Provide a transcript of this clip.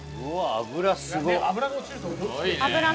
脂すごっ！